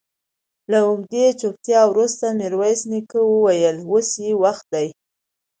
له اوږدې چوپتيا وروسته ميرويس نيکه وويل: اوس يې وخت دی.